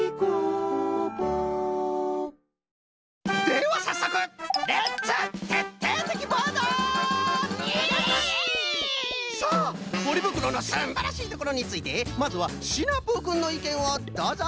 ではさっそくレッツイエイイエイ！さあポリぶくろのすんばらしいところについてまずはシナプーくんのいけんをどうぞ。